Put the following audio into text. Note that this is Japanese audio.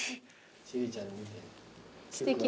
千里ちゃんの見て。